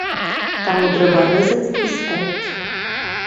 Таму трэба рэзаць і ставіць.